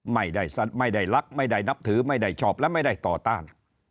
ไม่ได้รักไม่ได้นับถือไม่ได้ชอบและไม่ได้ต่อต้าน